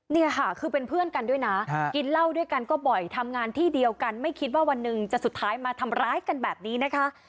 นี่ค่ะคือเป็นเพื่อนกันด้วยนะกินเหล้าด้วยกันก็บ่อยทำงานที่เดียวกันไม่คิดว่าวันหนึ่งจะสุดท้ายมาทำร้ายกันแบบนี้นะคะ